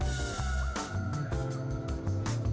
jangan lagi ke debatan ready to eltain